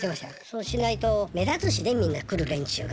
そうしないと目立つしねみんな来る連中が。